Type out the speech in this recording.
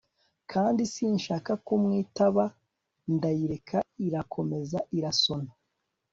kandi sinshaka kumwitaba ndayireka irakomeza irasona